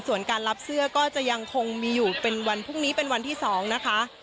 ส่วนการรับเสื้อก็จะยังคงมีอยู่เป็นวันพรุ่งนี้เป็นวันที่๒นะคะ